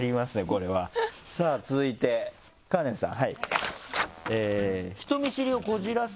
これはさぁ続いてカレンさん。